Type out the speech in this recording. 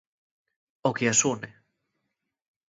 O que as une.